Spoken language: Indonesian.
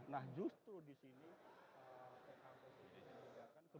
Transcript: nah justru disini